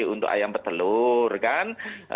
untuk ayam telur kan